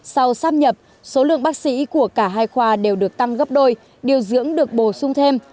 sau sắp nhập số lượng bác sĩ của cả hai khoa đều được tăng gấp đôi điều dưỡng được bổ sung thêm